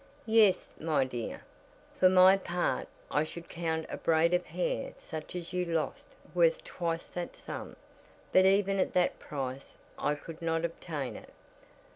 "Yes, my dear. For my part I should count a braid of hair such as you lost worth twice that sum, but even at that price I could not obtain it.